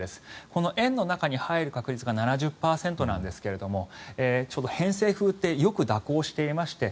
この円の中に入る確率が７０％なんですがちょうど偏西風ってよく蛇行していまして